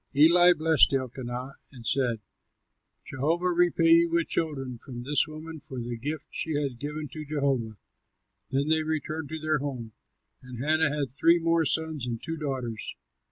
Eli blessed Elkanah and said, "Jehovah repay you with children from this woman for the gift which she has given to Jehovah." Then they returned to their home; and Hannah had three more sons and two daughters.